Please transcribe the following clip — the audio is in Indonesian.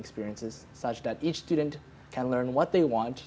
sehingga setiap pelajar dapat mempelajari apa yang mereka inginkan